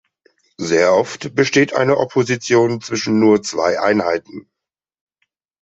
Sehr oft besteht eine Opposition zwischen nur zwei Einheiten.